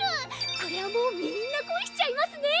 これはもうみんな恋しちゃいますね。